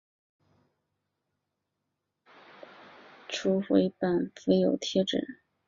初回版附有贴纸。